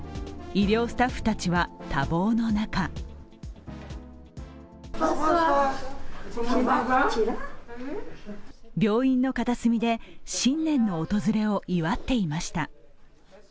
医療スタッフたちは多忙の中病院の片隅で新年の訪れを祝っていました。